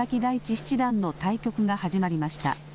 七段の対局が始まりました。